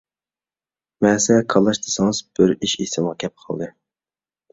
مەسە-كالاچ دېسىڭىز بىر ئىش ئېسىمگە كېلىپ قالدى.